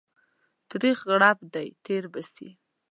تريخ غړپ دى تير به سي.